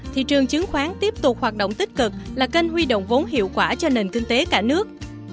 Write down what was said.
thị trường chứng khoán tiếp tục hoạt động tích cực là kênh huy động vốn hiệu quả cho nền kinh tế cả nước